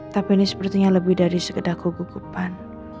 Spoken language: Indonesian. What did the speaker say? tapi ini sepertinya lebih dari sekedar kegugupan